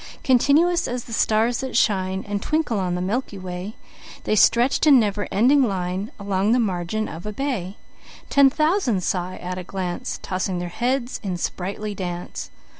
Continuous as the stars that shineAnd twinkle on the Milky Way, They stretch'd in never ending lineAlong the margin of a bay:Ten thousand saw I at a glance, Tossing their heads in sprightly dance.